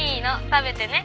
食べてね」